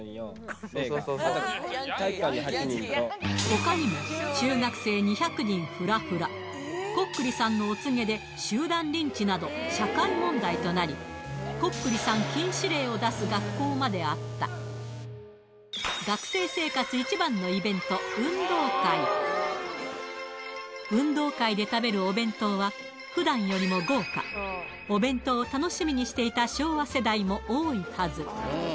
他にも中学生２００人フラフラコックリさんのお告げで集団リンチなど社会問題となりを出す学校まであった学生生活一番のイベント運動会で食べるお弁当は普段よりも豪華お弁当を楽しみにしていた昭和世代も多いはず